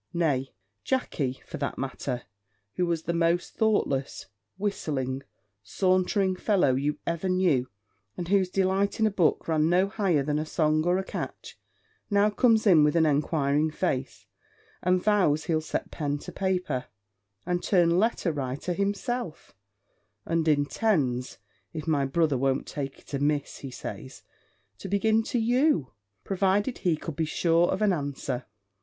Nay, Jackey, for that matter, who was the most thoughtless, whistling, sauntering fellow you ever knew, and whose delight in a book ran no higher than a song or a catch, now comes in with an enquiring face, and vows he'll set pen to paper, and turn letter writer himself; and intends (if my brother won't take it amiss, he says) to begin to you, provided he could be sure of an answer.